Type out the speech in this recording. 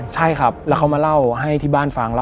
ใช่ครับ